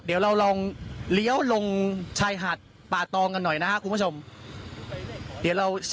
เดี๋ยวเราลองเลี้ยวลงชายหาดป่าตองกันหน่อยนะครับคุณผู้ชมเดี๋ยวเรา